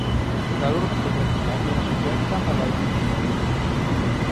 La loro fotografia era soggetta ad altri vincoli.